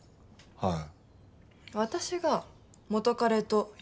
はい。